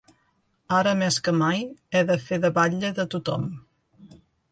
Ara més que mai he de fer de batlle de tothom.